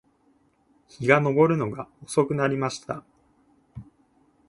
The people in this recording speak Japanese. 日が登るのが遅くなりました